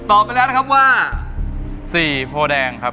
ไปแล้วนะครับว่า๔โพแดงครับ